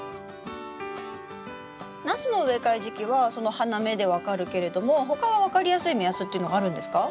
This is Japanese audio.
ナスの植え替え時期はその花芽で分かるけれども他は分かりやすい目安っていうのがあるんですか？